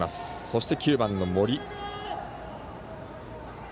そして９番の森。